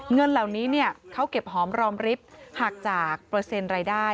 เงินเหล่านี้เขาเก็บหอมรอมริบหักจากเปอร์เซ็นต์รายได้